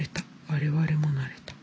我々も慣れた。